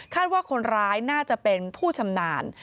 ว่าคนร้ายน่าจะเป็นผู้ชำนาญ